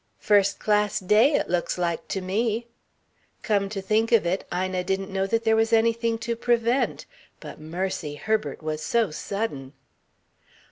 _" "First class day, it looks like to me." Come to think of it, Ina didn't know that there was anything to prevent, but mercy, Herbert was so sudden.